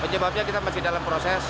penyebabnya kita masih dalam proses